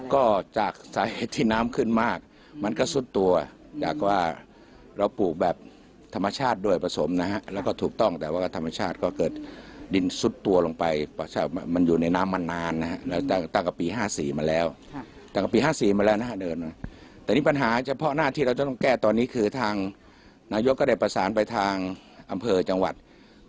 ก็จากสาเหตุที่น้ำขึ้นมากมันก็ซุดตัวจากว่าเราปลูกแบบธรรมชาติด้วยผสมนะฮะแล้วก็ถูกต้องแต่ว่าธรรมชาติก็เกิดดินซุดตัวลงไปมันอยู่ในน้ำมานานนะฮะเราตั้งแต่ปี๕๔มาแล้วตั้งแต่ปี๕๔มาแล้วนะฮะเดินมาแต่นี่ปัญหาเฉพาะหน้าที่เราจะต้องแก้ตอนนี้คือทางนายกก็ได้ประสานไปทางอำเภอจังหวัด